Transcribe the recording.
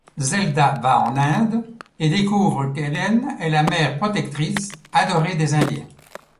Zelda va en Inde et découvre qu'Ellen est la Mère protectrice, adorée des indiens.